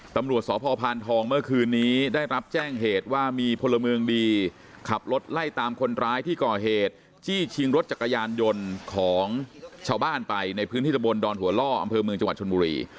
ตำรวจสพพานทองเมื่อคืนนี้ได้รับแจ้งเหตุว่ามีพลเมืองดีขับรถไล่ตามคนร้ายที่ก่อเหตุจี้ชิงรถจักรยานยนต์ของชาวบ้านไปในพื้นที่ตะบนดอนหัวล่ออำเภอเมืองจังหวัดชนบุรี